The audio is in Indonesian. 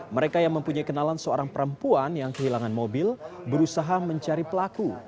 mereka yang mempunyai kenalan seorang perempuan yang kehilangan mobil berusaha mencari pelaku